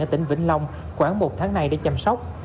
ở tỉnh vĩnh long khoảng một tháng nay để chăm sóc